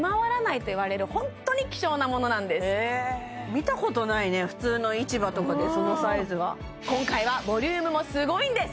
見たことないね普通の市場とかでそのサイズは今回はボリュームもすごいんです